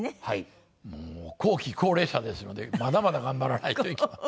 もう後期高齢者ですのでまだまだ頑張らないといけません。